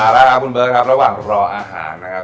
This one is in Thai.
แล้วครับคุณเบิร์ตครับระหว่างรออาหารนะครับ